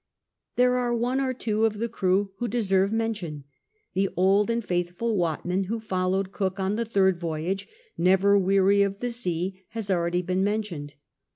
There are one or two of the crew who deserve mention. The old and faithful Watmaii, who followed Cook on the third voyage, never weary of the sea, has been already mentioned.